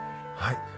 はい。